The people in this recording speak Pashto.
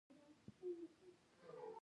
کورس د ټولنیزو خبرو تمرین دی.